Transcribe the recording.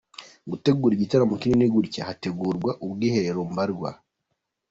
Gutegura igitaramo kinini gutya hagategurwa ubwiherero mbarwa.